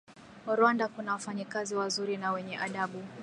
Rwanda kuna wafanyakazi wazuri na wenye adabu